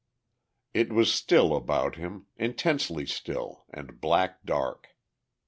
It was still about him, intensely still, and black dark.